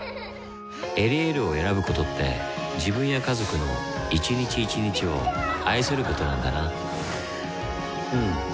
「エリエール」を選ぶことって自分や家族の一日一日を愛することなんだなうん。